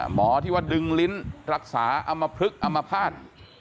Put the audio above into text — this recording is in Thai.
หมอที่ว่าดึงลิ้นรักษาอำมพลึกอมภาษณ์